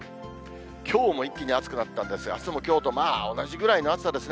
きょうも一気に暑くなったんですが、あすもきょうとまあ同じぐらいの暑さですね。